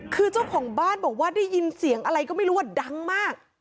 คือเจ้าของบ้านบอกว่าได้ยินเสียงอะไรก็ไม่รู้ว่าดังมาก